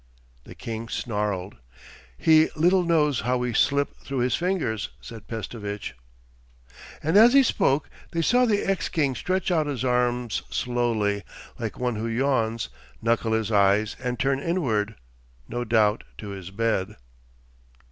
The king snarled. 'He little knows how we slip through his fingers,' said Pestovitch. And as he spoke they saw the ex king stretch out his arms slowly, like one who yawns, knuckle his eyes and turn inward—no doubt to his bed.